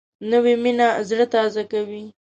نوې مینه زړه تازه کوي